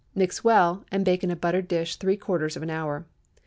Mix well, and bake in a buttered dish three quarters of an hour.